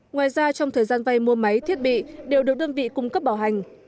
ngoài ra trong thời gian vay mua máy thiết bị đều được đơn vị cung cấp bảo hành